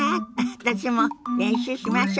私も練習しましょ。